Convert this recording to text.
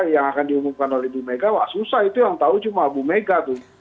yang akan diunggulkan oleh ibu mega wah susah itu yang tahu cuma ibu mega tuh